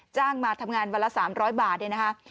จ้างมาทำงานวันละ๓๐๐บาทเนี่ยนะคะ